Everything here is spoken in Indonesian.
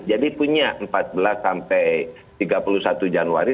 jadi punya empat belas sampai tiga puluh satu januari